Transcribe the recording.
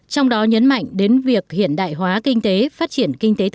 trong đó nhấn mạnh đến việc hiện đại hóa kinh tế